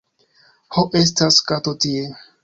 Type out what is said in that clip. Ho, estas kato tie...